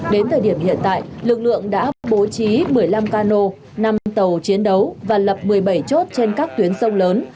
đến thời điểm hiện tại lực lượng đã bố trí một mươi năm cano năm tàu chiến đấu và lập một mươi bảy chốt trên các tuyến sông lớn